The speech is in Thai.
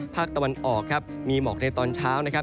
ภาคตะวันออกครับมีหมอกในตอนเช้านะครับ